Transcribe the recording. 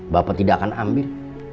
bapak tidak akan ambil